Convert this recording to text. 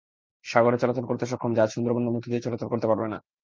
সাগরে চলাচল করতে সক্ষম জাহাজ সুন্দরবনের মধ্য দিয়ে চলাচল করতে পারবে না।